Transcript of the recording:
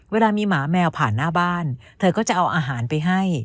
เวลามีหมาแมวผ่านหน้าบ้านเธอก็จะเอาอาหารไปให้